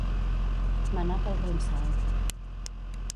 Menar pel ronsal.